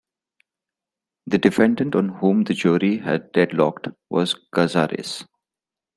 The defendant on whom the jury had deadlocked was Cazares.